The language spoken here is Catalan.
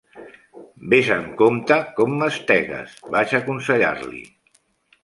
"Vés amb compte com mastegues", vaig aconsellar-li...